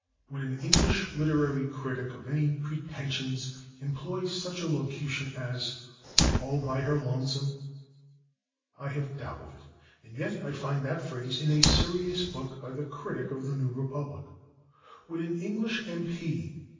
Would an English literary critic of any pretensions employ such a locution as "all by her /lonesome/"? I have a doubt of it and yet I find that phrase in a serious book by the critic of the /New Republic/. Would an English M. P.